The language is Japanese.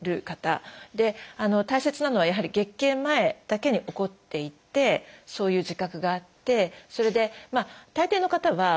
大切なのはやはり月経前だけに起こっていてそういう自覚があってそれで大抵の方はあれ？